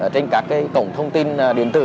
trên các cổng thông tin điện tử